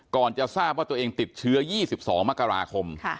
ก่อนจะทราบว่าตัวเองติดเชื้อยี่สิบสองมกราคม